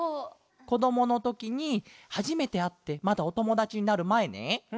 こどものときにはじめてあってまだおともだちになるまえね。